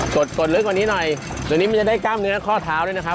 กดลึกกว่านี้หน่อยเดี๋ยวนี้มันจะได้กล้ามเนื้อข้อเท้าด้วยนะครับ